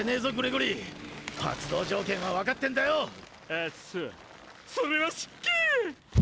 あっそそれは失敬！